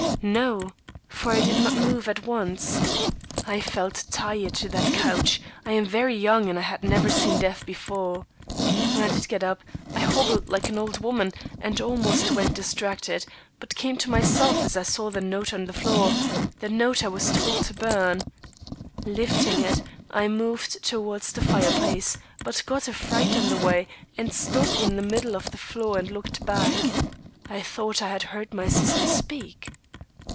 "No; for I did not move at once. I felt tied to that couch; I am very young, and I had never seen death before. When I did get up, I hobbled like an old woman and almost went distracted; but came to myself as I saw the note on the floor the note I was told to burn. Lifting it, I moved towards the fireplace, but got a fright on the way, and stopped in the middle of the floor and looked back. I thought I had heard my sister speak!